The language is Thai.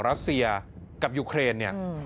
รัสเซียกับยูเครนเนี่ย